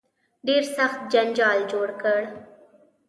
ډېر سخت جنجال جوړ کړ.